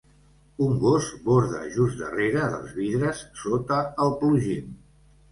Un gos borda just darrere dels vidres, sota el plugim.